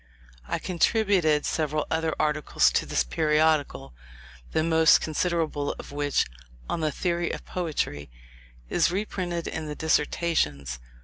I contributed several other articles to this periodical, the most considerable of which (on the theory of Poetry), is reprinted in the "Dissertations."